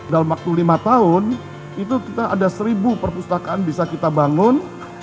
dalam waktu lima tahun itu kita ada seribu perpustakaan bisa kita bangun